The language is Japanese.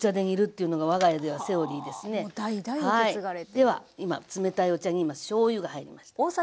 では今冷たいお茶に今しょうゆが入りました。